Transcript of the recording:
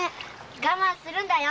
我慢するんだよ。